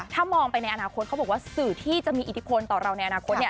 ถ้ามองไปในอนาคตเขาบอกว่าสื่อที่จะมีอิทธิพลต่อเราในอนาคต